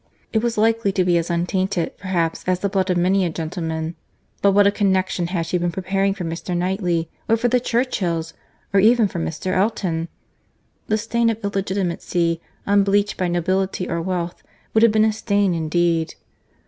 —It was likely to be as untainted, perhaps, as the blood of many a gentleman: but what a connexion had she been preparing for Mr. Knightley—or for the Churchills—or even for Mr. Elton!—The stain of illegitimacy, unbleached by nobility or wealth, would have been a stain indeed.